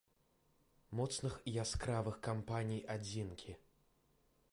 Моцных і яскравых кампаній адзінкі.